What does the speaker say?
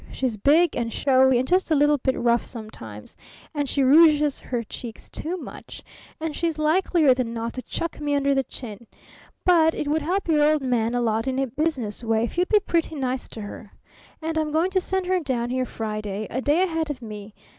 She's big, and showy, and just a little bit rough sometimes, and she rouges her cheeks too much, and she's likelier than not to chuck me under the chin. But it would help your old man a lot in a business way if you'd be pretty nice to her. And I'm going to send her down here Friday, a day ahead of me.'